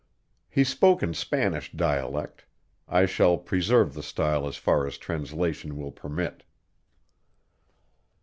He spoke in Spanish dialect; I shall preserve the style as far as translation will permit.